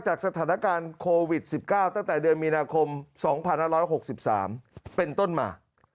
จากสถานการณ์โควิด๑๙ตั้งแต่เดือนมีนาคม๒๕๖๓เป็นต้นมา